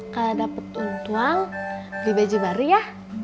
kalau dapet untuang beli baju baru ya